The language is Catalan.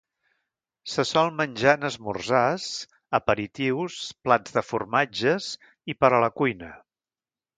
Se sol menjar en esmorzars, aperitius, plats de formatges i per a la cuina.